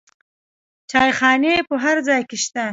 چایخانې په هر ځای کې شته.